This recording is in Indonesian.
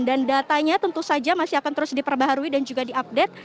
dan datanya tentu saja masih akan terus diperbaharui dan juga diupdate